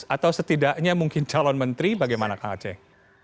atau setidaknya mungkin calon menteri bagaimana kang aceh